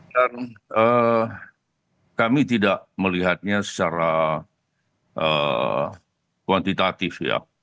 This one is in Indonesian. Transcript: dan kami tidak melihatnya secara kuantitatif ya